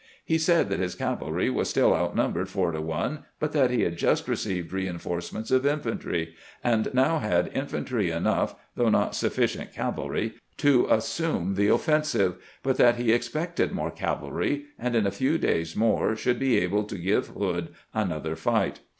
He said that his cavalry was still outnumbered four to one, but that he had just received reinforcements of infantry, and now had infantry enough, though not sufficient cavalry, to assume the offensive, but that he expected more cavalry, and in a few days more should be able to give Hood another fight.